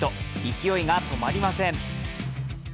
勢いが止まりません。